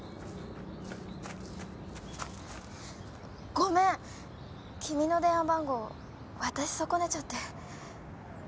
ごめん君の電話番号渡し損ねちゃって。